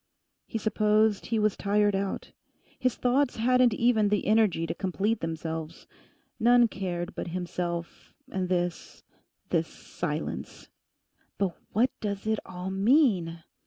He supposed he was tired out. His thoughts hadn't even the energy to complete themselves. None cared but himself and this—this Silence. 'But what does it all mean?